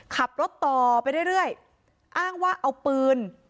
ขับรถต่อไปเรื่อยอ้างว่าเอาปืน